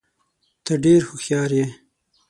ته ډېر هوښیار یې.